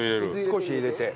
少し入れて。